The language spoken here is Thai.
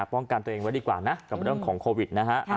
ป้องกันตัวเองไว้ดีกว่านะกับเรื่องของโควิดนะฮะ